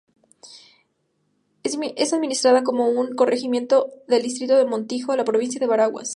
Es administrada como un corregimiento del distrito de Montijo de la provincia de Veraguas.